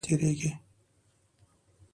چي مرغه غوندي رپېږي، تر نصيب به نه تيرېږې.